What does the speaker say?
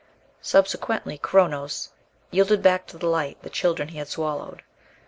Subsequently Chronos "yielded back to the light the children he had swallowed."